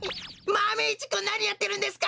マメ１くんなにやってるんですか！